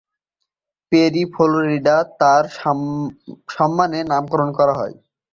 Peri, Florida তার সম্মানে নামকরণ করা হয়।